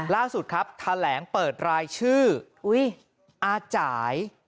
ล่าสุดครับแถลงเปิดรายชื่ออาจ่าย